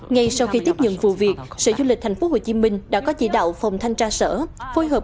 ngay sau khi tiếp nhận vụ việc sở du lịch tp hcm đã có chỉ đạo phòng thanh tra sở phối hợp